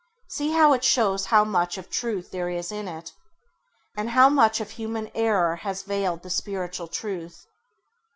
See how it shows how much of truth there is in it, and, how much of human error has veiled the spiritual truth.